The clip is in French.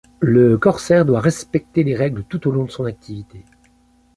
Le corsaire doit respecter des règles tout au long de son activité.